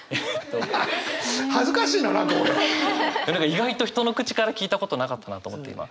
意外と人の口から聞いたことなかったなと思って今。